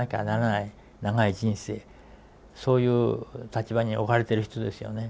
そういう立場に置かれてる人ですよね。